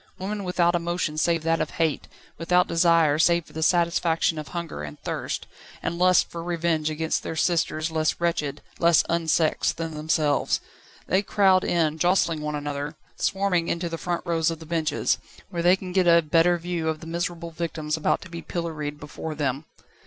Women without emotion save that of hate, without desire, save for the satisfaction of hunger and thirst, and lust for revenge against their sisters less wretched, less unsexed than themselves. They crowd in, jostling one another, swarming into the front rows of the benches, where they can get a better view of the miserable victims about to be pilloried before them.